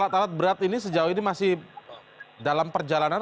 berat berat ini sejauh ini masih dalam perjalanan